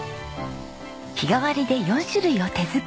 日替わりで４種類を手作り。